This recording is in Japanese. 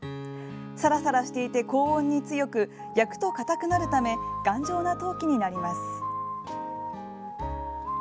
さらさらしていて高温に強く焼くと硬くなるため頑丈な陶器になります。